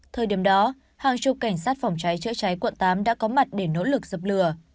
thời điểm đó hàng chục cảnh sát phòng cháy chữa cháy quận tám đã có mặt để nỗ lực dập lửa